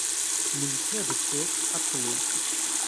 Militär-Bezirks abgelöst.